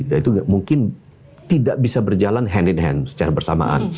dan itu mungkin tidak bisa berjalan hand in hand secara bersamaan